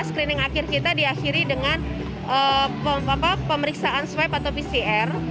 screening akhir kita diakhiri dengan pemeriksaan swab atau pcr